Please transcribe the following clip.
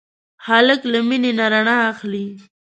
هلک له مینې نه رڼا اخلي.